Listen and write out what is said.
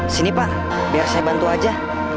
sini pak biar saya bantu aja